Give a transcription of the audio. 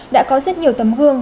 đã có rất nhiều tấm gương